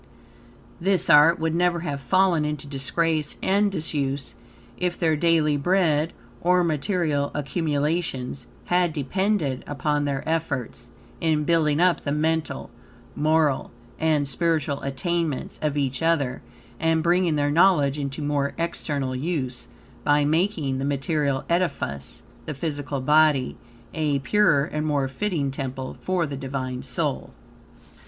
This art would never have fallen into disgrace and disuse, if their daily bread, or material accumulations, had depended upon their efforts in building up the mental, moral, and spiritual attainments, of each other, and bringing their knowledge into more external use, by making the material edifice, the physical body, a purer and more fitting temple, for the Divine soul.